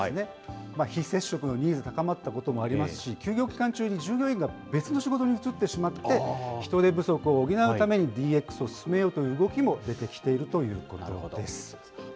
非接触のニーズ高まったこともありますし、休業期間中に従業員が別の仕事に移ってしまって、人手不足を補うためにＤＸを進めようという動きも出てきているということです。